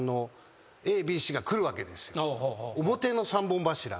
表の３本柱が。